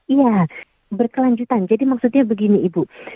iya berkelanjutan jadi maksudnya begini ibu